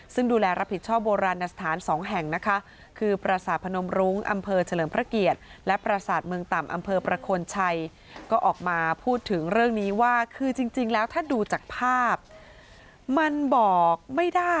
ซึ่งดูแลรับผิดชอบโบราณในสถาน๒แห่งนะคะ